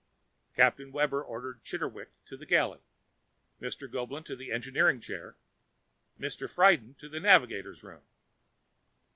Captain Webber ordered Mr. Chitterwick to the galley, Mr. Goeblin to the engineering chair, Mr. Friden to the navigator's room....